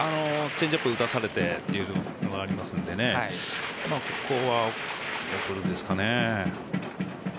チェンジアップ打たされてというのがありますのでここは送るんですかね。